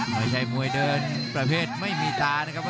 มวยเดินประเภทไม่มีตานะครับ